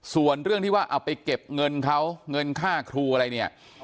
ส่วนเรื่องที่ว่าเอาไปเก็บเงินเขาเงินค่าครูอะไรเนี่ย